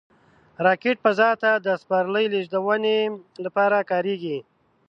راکټ فضا ته د سپرلي لیږدونې لپاره کارېږي